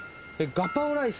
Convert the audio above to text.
ガパオライス。